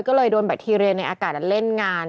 ก็เลยโดนแบคทีเรียในอากาศเล่นงาน